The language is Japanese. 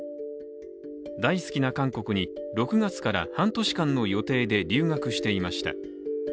大好きな韓国に６月から半年間の予定で留学していました。